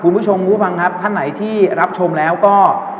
คุณผู้ชมผู้ที่รับชมแล้วก็